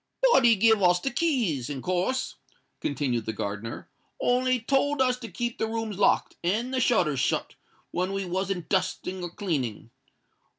"But he give us the keys, in course," continued the gardener; "on'y he told us to keep the rooms locked, and the shutters shut, when we wasn't dusting or cleaning.